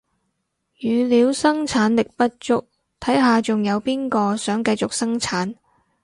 語料生產力不足，睇下仲有邊個想繼續生產